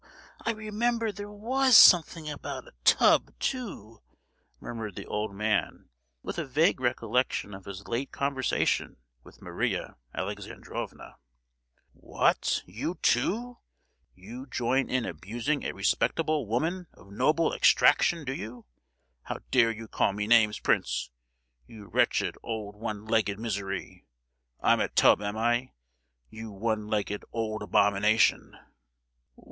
I remember there was something about a tub, too!" murmured the old man, with a vague recollection of his late conversation with Maria Alexandrovna. "What—you, too? you join in abusing a respectable woman of noble extraction, do you? How dare you call me names, prince—you wretched old one legged misery! I'm a tub am I, you one legged old abomination?"